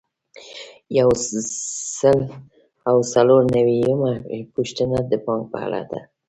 یو سل او څلور نوي یمه پوښتنه د بانک په اړه ده.